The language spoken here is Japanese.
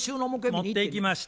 持っていきました。